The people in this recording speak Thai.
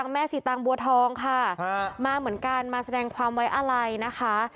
แม่สีตางบัวทองค่ะมาเหมือนกันมาแสดงความไว้อะไรนะคะ